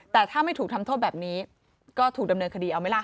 แต่ถ้าไม่ถูกทำโทษแบบนี้ก็ถูกดำเนินคดีเอาไหมล่ะ